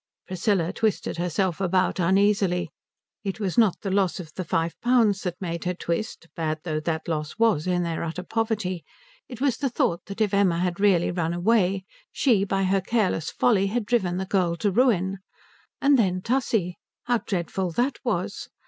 Priscilla twisted herself about uneasily. It was not the loss of the five pounds that made her twist, bad though that loss was in their utter poverty; it was the thought that if Emma had really run away she, by her careless folly, had driven the girl to ruin. And then Tussie. How dreadful that was.